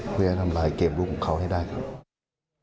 เพื่อให้ทำลายเกมรุ่งเขาให้ได้ครับ